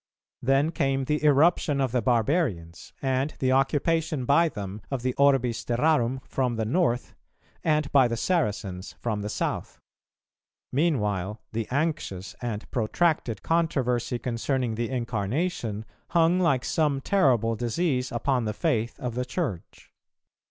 Then came the irruption of the barbarians, and the occupation by them of the orbis terrarum from the North, and by the Saracens from the South. Meanwhile the anxious and protracted controversy concerning the Incarnation hung like some terrible disease upon the faith of the Church.